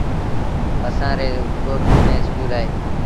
اسآݩ ري ڳوٺ ميݩ اسڪول اهي۔